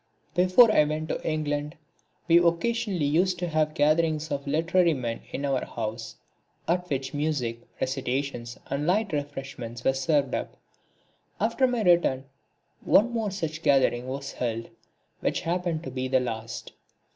Before I went to England we occasionally used to have gatherings of literary men in our house, at which music, recitations and light refreshments were served up. After my return one more such gathering was held, which happened to be the last.